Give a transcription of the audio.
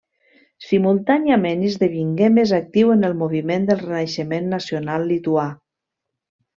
Simultàniament esdevingué més actiu en el moviment del Renaixement nacional lituà.